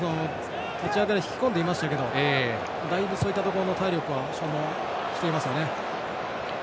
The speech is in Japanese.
立ち上がりは引っ込んでいましたがだいぶそういったところの体力は消耗していますね。